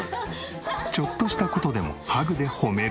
ちょっとした事でもハグで褒める。